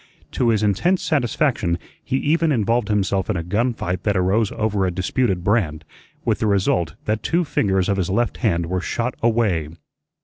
To his intense satisfaction he even involved himself in a gun fight that arose over a disputed brand, with the result that two fingers of his left hand were shot away.